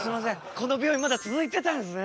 この病院まだ続いてたんですね。